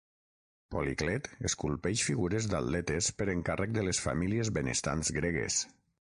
Policlet esculpeix figures d'atletes per encàrrec de les famílies benestants gregues.